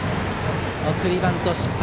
送りバント、失敗。